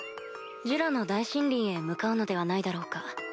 ジュラの大森林へ向かうのではないだろうか？